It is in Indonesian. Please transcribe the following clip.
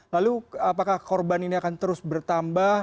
lalu apakah korban ini akan terus bertambah